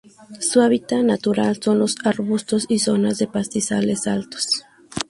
Su hábitat natural son los arbustos y zonas de pastizales altos.